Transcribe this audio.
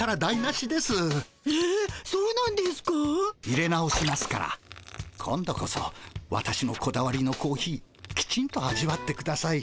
いれ直しますから今度こそ私のこだわりのコーヒーきちんと味わってください。